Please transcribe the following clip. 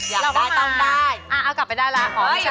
อยากว่ามาเอากลับไปได้แล้วขอมีใช้